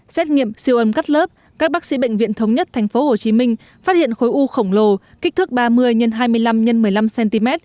xét nghiệm siêu âm cắt lớp các bác sĩ bệnh viện thống nhất tp hcm phát hiện khối u khổng lồ kích thước ba mươi x hai mươi năm x một mươi năm cm